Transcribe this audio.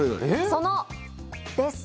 その。